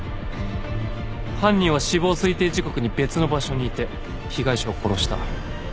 犯人は死亡推定時刻に別の場所にいて被害者を殺した。